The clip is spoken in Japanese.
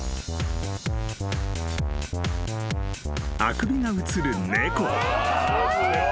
［あくびがうつる猫］